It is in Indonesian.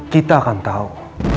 kita akan tahu